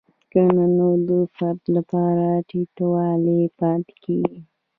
که نه نو د فرد لپاره ټیټوالی پاتې کیږي.